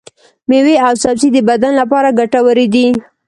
ميوې او سبزي د بدن لپاره ګټورې دي.